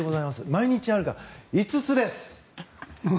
毎日あるが５つです。